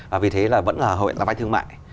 và vì thế là vẫn là vay thương mại